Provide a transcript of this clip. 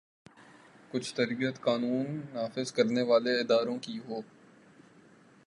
کچھ تربیت قانون نافذ کرنے والے اداروں کی ہو۔